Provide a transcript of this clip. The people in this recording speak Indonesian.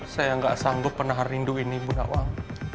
saya gak sanggup pernah rindu ini bu nawang